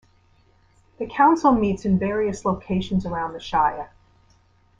The council meets in various locations around the Shire.